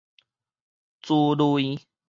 珠淚